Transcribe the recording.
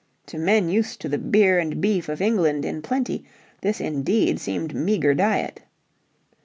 To men used to the beer and beef of England in plenty this indeed seemed meagre diet.